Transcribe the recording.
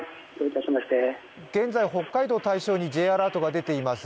現在、北海道対象にＪアラートが出ています。